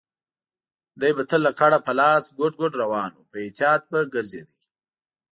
دی به تل لکړه په لاس ګوډ ګوډ روان و، په احتیاط به ګرځېده.